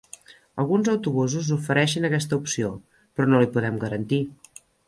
Alguns autobusos ofereixen aquesta opció, però no li podem garantir.